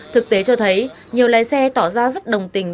thực tế cho thấy nhiều lái xe tỏ ra rất đồng tình